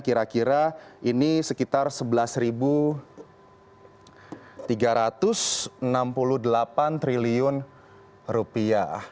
kira kira ini sekitar sebelas tiga ratus enam puluh delapan triliun rupiah